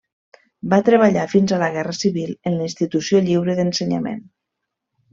Va treballar fins a la Guerra Civil en la Institució Lliure d'Ensenyament.